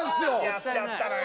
やっちゃったのよ